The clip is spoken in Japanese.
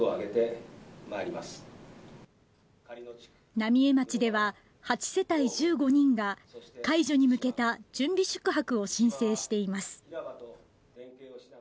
浪江町では８世帯１５人が解除に向けた準備宿泊を申請しています。